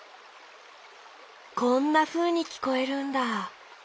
こんなふうにきこえるんだ。